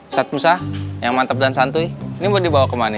ustadz musa yang mantap dan santuy ini mau dibawa kemana ini